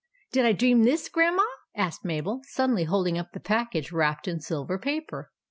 " Did I dream this, Grandma ?" asked Mabel, suddenly holding up the package wrapped in silver paper.